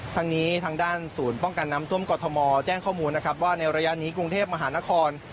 ทางนี้ทางด้านศูนย์ป้องกันน้ำท่วมกรทมแจ้งข้อมูลนะครับว่าในระยะนี้กรุงเทพมหานคร